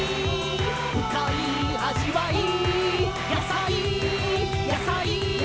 「ふかいあじわい」「」「やさい」「」「やさい」「」